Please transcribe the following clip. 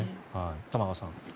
玉川さん。